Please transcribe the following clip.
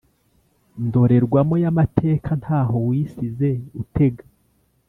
Ndorerwamo y amateka ntaho wisize utega